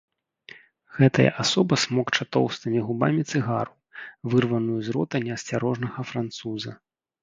Гэтая асоба смокча тоўстымі губамі цыгару, вырваную з рота неасцярожнага француза.